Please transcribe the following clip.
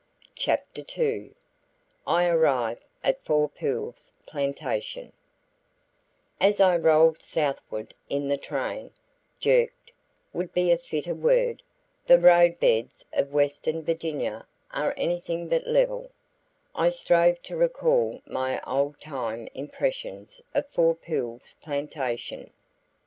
CHAPTER II I ARRIVE AT FOUR POOLS PLANTATION As I rolled southward in the train "jerked" would be a fitter word; the roadbeds of western Virginia are anything but level I strove to recall my old time impressions of Four Pools Plantation.